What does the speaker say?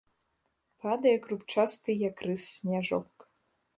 Падае крупчасты, як рыс, сняжок.